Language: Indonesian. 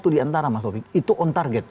tiga puluh satu di antara mas taufik itu on target